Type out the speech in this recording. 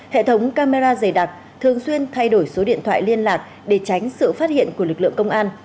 hệ thống camera dày đặc thường xuyên thay đổi số điện thoại liên lạc để tránh sự phát hiện của lực lượng công an